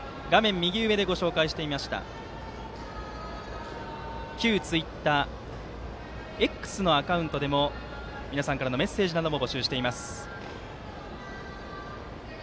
右上でご紹介していました旧ツイッター「Ｘ」のアカウントでも皆さんからのメッセージを募集しています。